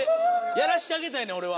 やらしてあげたいねんおれは。